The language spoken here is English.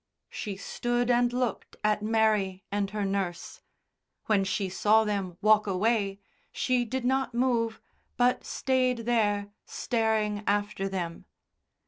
She stood and looked at Mary and her nurse; when she saw them walk away she did not move, but stayed there, staring after them.